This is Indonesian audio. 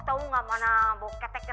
tau gak mana bokeh teke